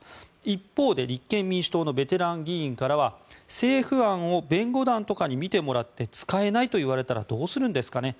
一方で立憲民主党のベテラン議員からは政府案を弁護団とかに見てもらって使えないと言われたらどうするんですかね